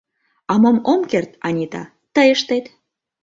А мом ом керт — Анита, тый ыштет.